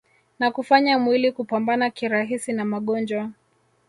na kufanya mwili kupambana kirahisi na magonjwa